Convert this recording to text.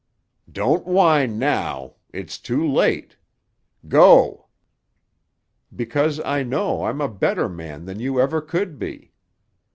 "Don't whine now; it's too late! Go——" "Because I know I'm a better man than you ever could be."